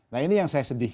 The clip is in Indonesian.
nah ini yang saya sedihkan